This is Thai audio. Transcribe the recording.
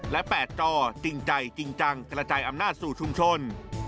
และ๘จจริงใจจริงจังกระจายอำนาจสู่ชุมชน